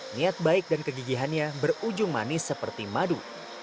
niat baik dan kegigihannya berujung manis seperti madu